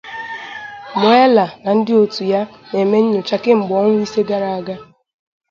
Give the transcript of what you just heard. Mueller na ndị otu ya na-eme nnyocha kemgbe ọnwa ise gara aga.